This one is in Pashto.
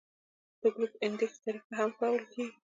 د ګروپ انډیکس طریقه هم کارول کیږي